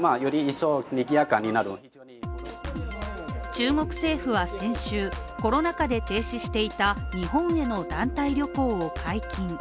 中国政府は先週、コロナ禍で停止していた日本への団体旅行を解禁。